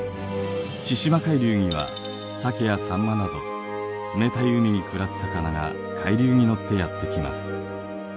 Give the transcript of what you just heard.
千島海流にはサケやサンマなど冷たい海に暮らす魚が海流に乗ってやって来ます。